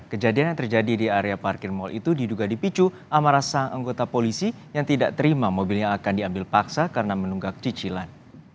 kejadian yang terjadi di area parkir mal itu diduga dipicu amarah sang anggota polisi yang tidak terima mobilnya akan diambil paksa karena menunggak cicilan